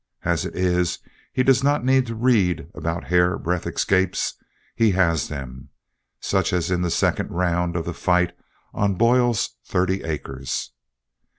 As it is, he does not need to read about hair breadth escapes. He has them, such as in the second round of the fight on Boyle's Thirty Acres.